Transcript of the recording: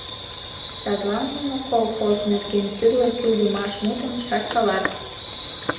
Садлан нуно колхоз нерген тӱрлӧ кӱлдымаш мутым шаркалат.